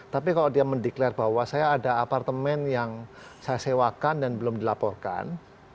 tapi kalau dia mendeklarasi bahwa saya ada apartemen yang saya sewakan dan belum dilaporkan